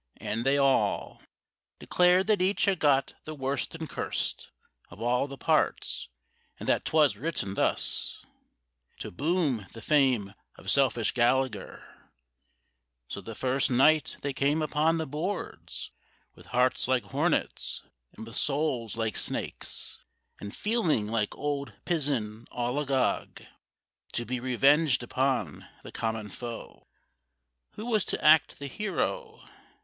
And they all Declared that each had got the worst and curst Of all the parts, and that 'twas written thus To boom the fame of selfish Gallagher; So the first night they came upon the boards, With hearts like hornets and with souls like snakes And feeling like old pizen, all agog To be revenged upon the common foe, Who was to act the hero.